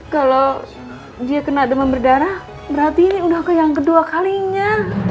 kalau dia kena demam berdarah berarti ini udah ke yang kedua kalinya